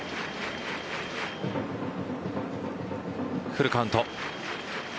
フルカウント。